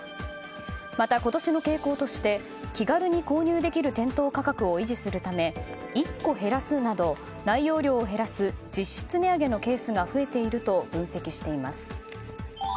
また、今年の傾向として気軽に購入できる店頭価格を維持するため１個減らすなど内容量を減らす実質な上げのケースが増えていると分析しています。